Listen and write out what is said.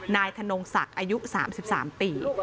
นายธนงศักดิ์อายุ๓๓ปี